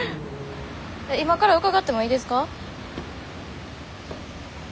今から伺ってもいいですか？